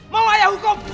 mau ayah hukum